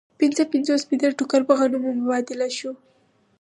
پنځه پنځوس متره ټوکر په غنمو مبادله شو